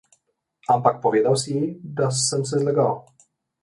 Ampak povedal si ji, da sem se zlagal.